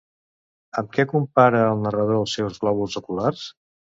Amb què compara el narrador els seus globus oculars?